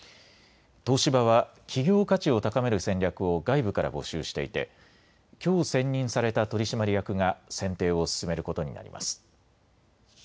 東芝は企業価値を高める戦略を外部から募集していてきょう選任された取締役が選定を進めることになります。